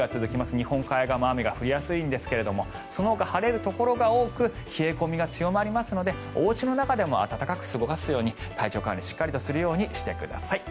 日本海側も雨が降りやすいんですがそのほか晴れるところが多く冷え込みが強まるのでおうちの中でも暖かく過ごすように体調管理をしっかりとするようにしてください。